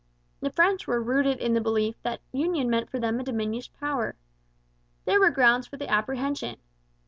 The French were rooted in the belief that union meant for them a diminished power. There were grounds for the apprehension.